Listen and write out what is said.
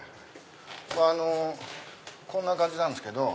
まぁこんな感じなんですけど。